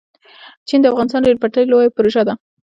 د چین - افغانستان ریل پټلۍ لویه پروژه ده